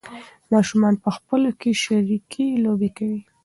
ماشومان په خپلو کې شریکې لوبې کوي.